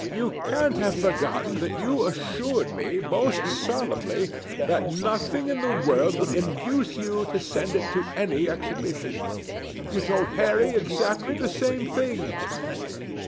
You can't have forgotten that you assured me most solemnly that nothing in the world would induce you to send it to any exhibition. You told Harry exactly the same thing."